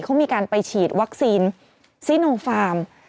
เขามีการไปฉีดวัคซีนซีโนฟาร์ม